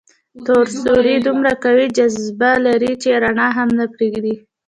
تور سوري دومره قوي جاذبه لري چې رڼا هم نه پرېږدي.